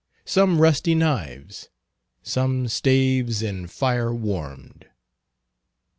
Some rusty knives, some staves in fier warmd.